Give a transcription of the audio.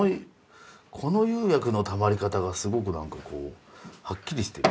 この釉薬のたまり方がすごくこうはっきりしてる。